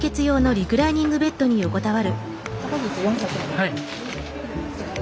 はい。